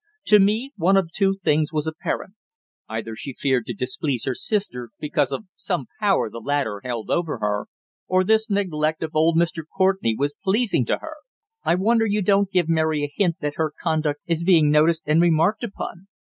To me one of two things was apparent. Either she feared to displease her sister because of some power the latter held over her, or this neglect of old Mr. Courtenay was pleasing to her. "I wonder you don't give Mary a hint that her conduct is being noticed and remarked upon.